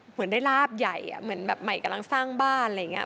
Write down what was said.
เหมือนได้ลาบใหญ่เหมือนแบบใหม่กำลังสร้างบ้านอะไรอย่างนี้